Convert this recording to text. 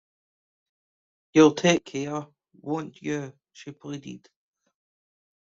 “You’ll take care, won’t you?” she pleaded.